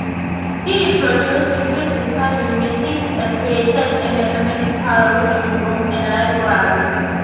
He introduced weekly discussion meetings, and created a mathematical reading room and library.